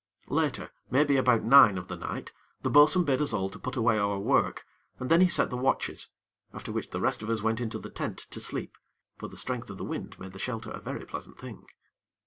Later, maybe about nine of the night, the bo'sun bade us all to put away our work, and then he set the watches, after which the rest of us went into the tent to sleep; for the strength of the wind made the shelter a very pleasant thing.